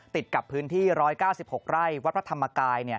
ติดกับพื้นที่๑๙๖ไร่วัดพระธรรมกาย